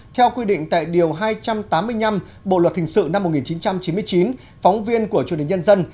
theo quy định tại điều hai trăm tám mươi năm bộ luật thình sự năm một nghìn chín trăm chín mươi chín phóng viên của chủ đề nhân dân